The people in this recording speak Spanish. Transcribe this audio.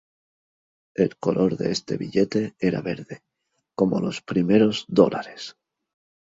El color de este billete era verde, como los primeros dólares.